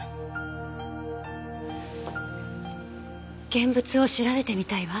現物を調べてみたいわ。